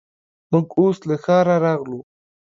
موږ اوس له ښاره راغلو.